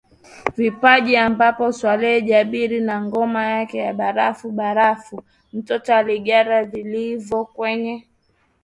vipaji ambapo Saleh Jabir na ngoma yake ya barafu barafu mtoto alingara vilivyo kwenye